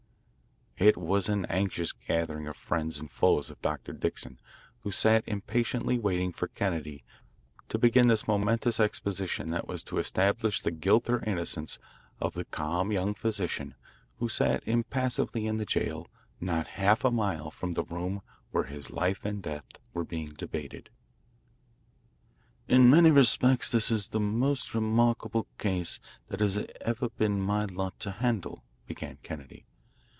It was an anxious gathering of friends and foes of Dr. Dixon who sat impatiently waiting for Kennedy to begin this momentous exposition that was to establish the guilt or innocence of the calm young physician who sat impassively in the jail not half a mile from the room where his life and death were being debated. "In many respects this is the most remarkable case that it has ever been my lot to handle," began Kennedy.